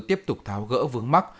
tiếp tục tháo gỡ vướng mắt